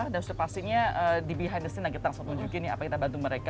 dan pastinya di behind the scene kita langsung tunjukin apa kita bantu mereka